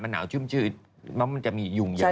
มันหนาวชื้มชื้นมันจะมียุงเยอะ